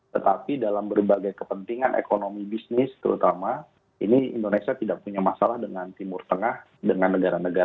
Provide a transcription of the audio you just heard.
tetapi dalam berbagai kepentingan ekonomi bisnis terutama ini indonesia tidak punya masalah dengan timur tengah dengan negara negara